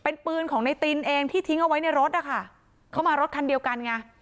เป็นปืนของในตินเองที่ทิ้งเอาไว้ในรถนะคะเขามารถคันเดียวกันไง